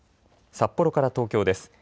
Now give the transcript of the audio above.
札幌から東京です。